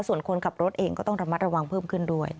ส่วนคนขับรถเองก็ต้องระมัดระวังเพิ่มขึ้นด้วย